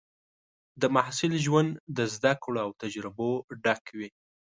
د محصل ژوند د زده کړو او تجربو ډک وي.